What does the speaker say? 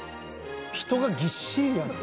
「人がぎっしりやな」